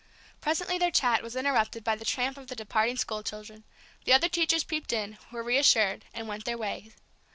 Presently their chat was interrupted by the tramp of the departing school children; the other teachers peeped in, were reassured, and went their ways.